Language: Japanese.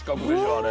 あれ。